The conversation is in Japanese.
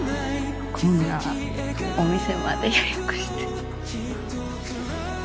こんなお店まで予約して。